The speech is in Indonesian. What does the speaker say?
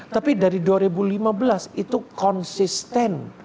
tapi dari dua ribu lima belas itu konsisten